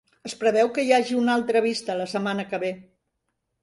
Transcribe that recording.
Es preveu que hi hagi una altra vista la setmana que ve